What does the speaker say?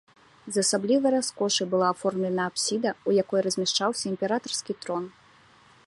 З асаблівай раскошай была аформлена апсіда, у якой размяшчаўся імператарскі трон.